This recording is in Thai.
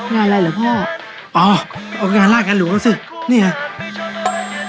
งานอะไรเหรอพ่ออ๋องานล่างกันหรือว่าซึ่งนี่เหรอ